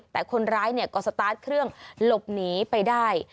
แต่คนร้ายก็สตาร์ทเครื่องหลบหนีไปได้